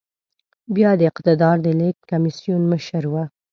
بيا د اقتدار د لېږد کميسيون مشر و.